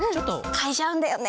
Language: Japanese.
かいじゃうんだよね。